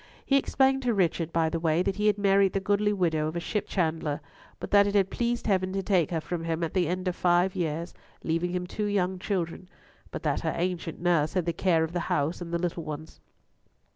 He explained to Richard, by the way, that he had married the godly widow of a ship chandler, but that it had pleased Heaven to take her from him at the end of five years, leaving him two young children, but that her ancient nurse had the care of the house and the little ones.